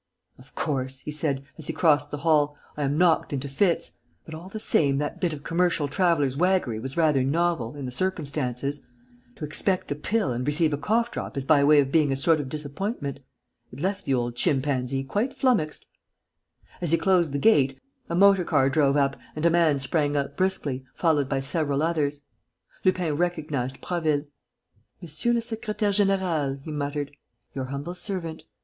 "Of course," he said, as he crossed the hall, "I am knocked into fits. But all the same, that bit of commercial traveller's waggery was rather novel, in the circumstances. To expect a pill and receive a cough drop is by way of being a sort of disappointment. It left the old chimpanzee quite flummoxed." As he closed the gate, a motor car drove up and a man sprang out briskly, followed by several others. Lupin recognized Prasville: "Monsieur le secrétaire; général," he muttered, "your humble servant.